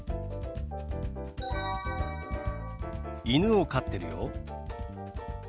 犬を飼ってるよ。